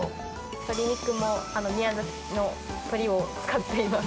鶏肉も宮崎の鶏を使っています。